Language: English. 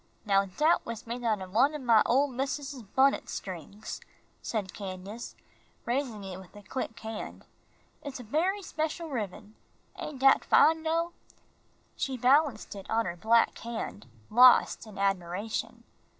"Now dat was made out o' one ob my ole missus's bunnet strings," said Candace, raising it with a quick hand. "It's a bery special ribbin. Ain' dat fine, dough?" She balanced it on her black hand, lost in admiration.